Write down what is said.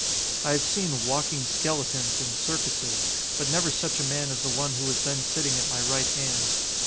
I have seen "walking skeletons" in circuses, but never such a man as the one who was then sitting at my right hand.